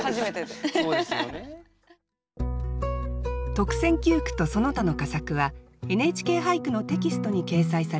特選九句とその他の佳作は「ＮＨＫ俳句」のテキストに掲載されます。